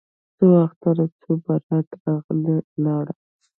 څو اختره څو براته راغله ولاړه